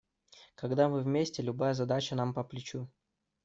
Когда мы вместе, любая задача нам по плечу.